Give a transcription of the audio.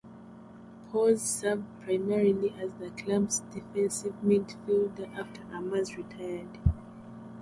Pause served primarily as the club's defensive midfielder after Armas retired.